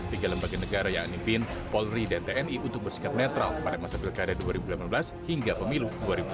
tiga lembaga negara yang dipin polri dan tni untuk bersikap netral pada masa pilkada dua ribu delapan belas hingga pemilu dua ribu sembilan belas